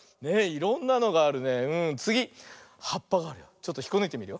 ちょっとひっこぬいてみるよ。